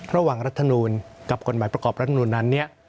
ระหว่างรัฐนูนกับกฎหมายประกอบรัฐนูนนั้นเนี่ย